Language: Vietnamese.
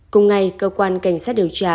cùng ngày cơ quan cảnh sát điều tra